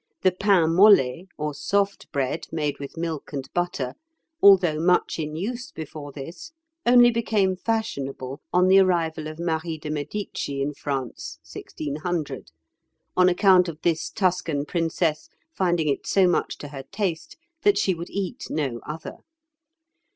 The pain mollet, or soft bread made with milk and butter, although much in use before this, only became fashionable on the arrival of Marie de Medicis in France (1600), on account of this Tuscan princess finding it so much to her taste that she would eat no other.